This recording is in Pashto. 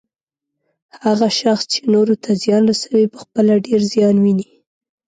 هغه شخص چې نورو ته زیان رسوي، پخپله ډیر زیان ويني